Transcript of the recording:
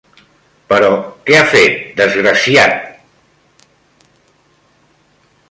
-Però, què ha fet, desgraciat?